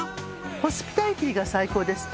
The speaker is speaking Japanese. ホスピタリティーが最高ですね。